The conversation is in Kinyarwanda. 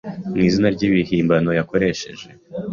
mwizina ry'irihimbano yakoresheje